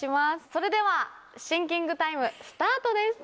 それではシンキングタイムスタートです。